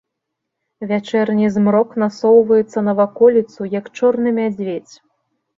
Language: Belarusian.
Вячэрні змрок насоўваецца на ваколіцу, як чорны мядзведзь.